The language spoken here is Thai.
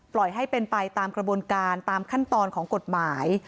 ให้เป็นไปตามกระบวนการตามขั้นตอนของกฎหมาย